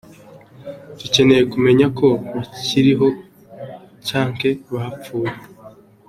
"Dukeneye kumenya ko bakiriho canke ko bapfuye.